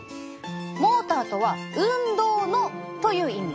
モーターとは「運動の」という意味。